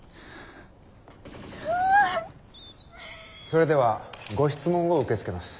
それではご質問を受け付けます。